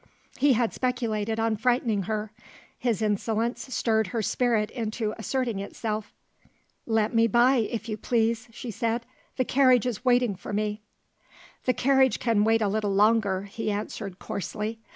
He had speculated on frightening her. His insolence stirred her spirit into asserting itself. "Let me by, if you please," she said; "the carriage is waiting for me." "The carriage can wait a little longer," he answered coarsely.